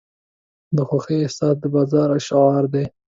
د خوښۍ احساس د بازار شعار دی.